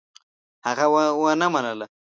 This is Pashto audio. هغه ونه منله.